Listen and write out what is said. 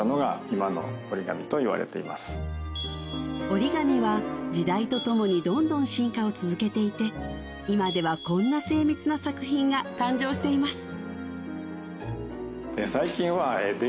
折り紙は時代とともにどんどん進化を続けていて今ではこんな精密な作品が誕生しています